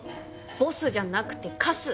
ボスじゃなくてカス！